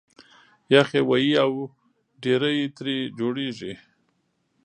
یخ یې وهي او ډېرۍ ترې جوړېږي